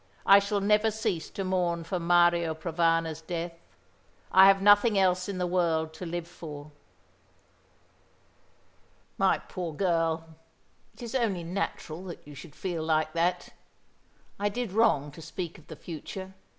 "I shall never cease to mourn for Mario Provana's death. I have nothing else in the world to live for." "My poor girl. It is only natural that you should feel like that. I did wrong to speak of the future.